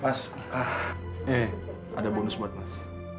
pas ah eh ada bonus buat mas